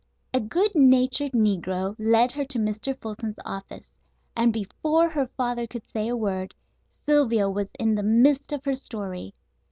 A good natured negro led her to Mr. Fulton's office, and before her father could say a word Sylvia was in the midst of her story.